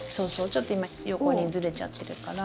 ちょっと今横にずれちゃってるから。